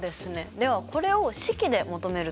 ではこれを式で求めるとどうですか？